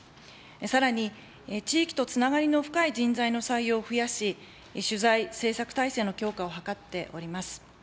さらに、地域とつながりの深い人材の採用を増やし、取材、制作体制の強化を図っております。